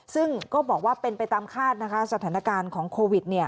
ซึ่งก็บอกว่าเป็นไปตามคาดนะคะสถานการณ์ของโควิด